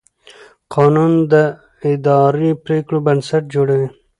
قانون د اداري پرېکړو بنسټ جوړوي.